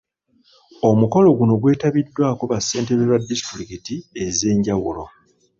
Omukolo guno gwetabiddwako bassentebe ba disitulikiti ez'enjawulo